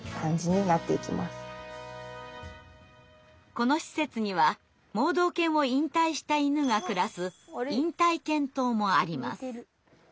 この施設には盲導犬を引退した犬が暮らす引退犬棟もあります。